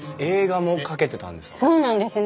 そうなんですね。